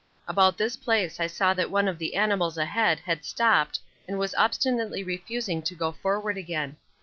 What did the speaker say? About this place I saw that one of the animals ahead had stopped and was obstinately refusing to go forward again.